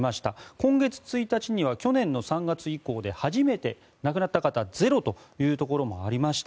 今月１日には去年３月以降で初めて亡くなった方ゼロというところもありました。